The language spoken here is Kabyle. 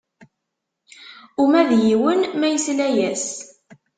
Uma d yiwen ma yesla-yas.